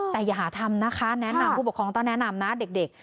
แต่อย่าหาทำนะคะแนะนำผู้ปกครองต้องแนะนำนะเด็ก